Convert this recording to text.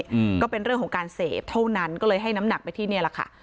อืมก็เป็นเรื่องของการเสพเท่านั้นก็เลยให้น้ำหนักไปที่เนี้ยแหละค่ะ